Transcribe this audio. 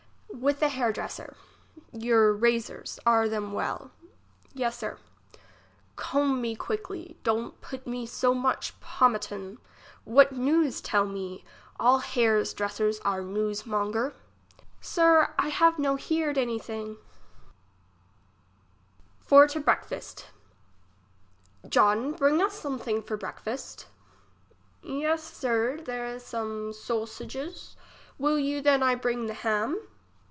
IFith a liair dresser. Your razors, are them well ? Yes, Sir. Comb me quickly ; don't put me so much po matum. What news tell me? all hairs dresser are newsmonger. Sir, I have no beared any thing. 30 English as she is spoke. For to breakfast. John bring us some thing for to breakfast. Yes, Sir ; there is some sousages. Will you than I bring the ham